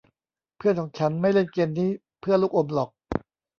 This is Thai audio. เพื่อนของฉันไม่เล่นเกมนี้เพื่อลูกอมหรอก